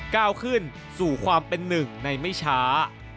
ก้าวขึ้นสู่ความเป็นหนึ่งในไม่ช้า